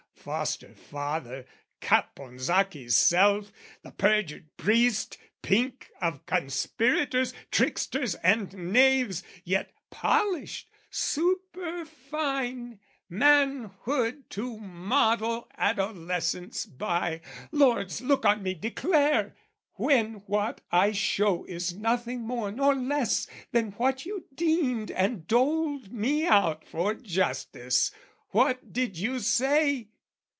foster father, Caponsacchi's self, The perjured priest, pink of conspirators, Tricksters and knaves, yet polished, superfine, Manhood to model adolescence by... Lords, look on me, declare, when, what I show, Is nothing more nor less than what you deemed And doled me out for justice, what did you say?